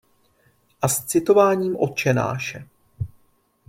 A s citováním Otčenáše.